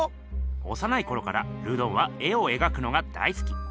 おさないころからルドンは絵を描くのが大好き。